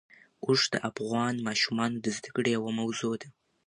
اوښ د افغان ماشومانو د زده کړې یوه موضوع ده.